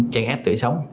chèn áp tủy sống